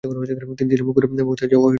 তিনি ছিলেন মুখতার জাওহারির স্ত্রী।